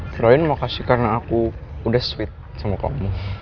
troyen makasih karena aku udah sweet sama kamu